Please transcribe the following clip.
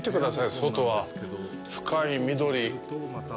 外は深い緑。